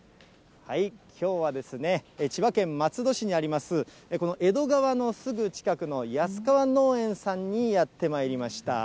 きょうは千葉県松戸市にあります、この江戸川のすぐ近くの安川農園さんにやってまいりました。